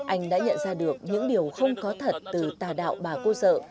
anh đã nhận ra được những điều không có thật từ tà đạo bà cô dợ